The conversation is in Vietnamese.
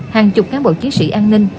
hàng chục cán bộ chiến sĩ an ninh